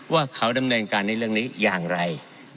ว่าเขาได้เหมือนกันนี้เรื่องนี้อย่างไร